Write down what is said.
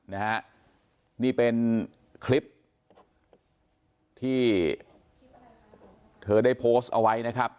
นะฮะนี่เป็นคลิปที่เธอได้โพสต์เอาไว้นะครับ